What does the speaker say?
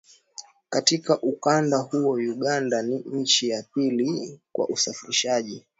Katika ukanda huo Uganda ni nchi ya pili kwa usafirishaji